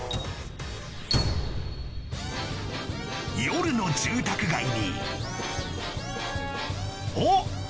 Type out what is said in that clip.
夜の住宅街におっ？